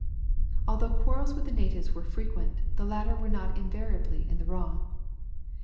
Although quarrels with the natives were frequent, the latter were not invariably in the wrong.